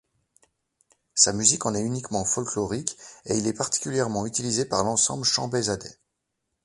Sa musique en est uniquement folklorique et il est particulièrement utilisé par l'Ensemble Shanbehzadeh.